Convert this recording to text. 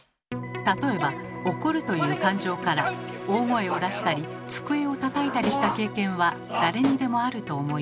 例えば怒るという感情から大声を出したり机をたたいたりした経験は誰にでもあると思います。